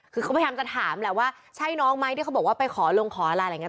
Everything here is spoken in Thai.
คือเขาพยายามจะถามแหละว่าใช่น้องไหมที่เขาบอกว่าไปขอลงขออะไรอย่างเง